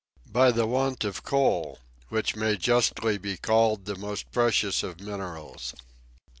"By the want of coal, which may justly be called the most precious of minerals."